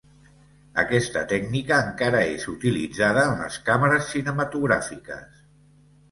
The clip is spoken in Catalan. Aquesta tècnica encara és utilitzada en les càmeres cinematogràfiques.